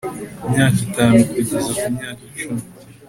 myaka itanu kugeza ku myaka icumi